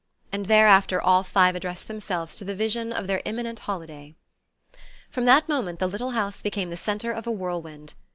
and thereafter all five addressed themselves to the vision of their imminent holiday. From that moment the little house became the centre of a whirlwind.